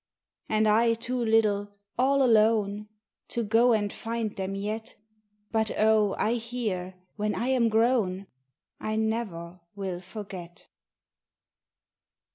And I too little, all alone, To go and find them yet; But Oh, I hear! When I am grown, I never will forget.